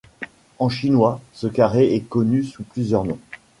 En chinois, ce carré est connu sous plusieurs noms.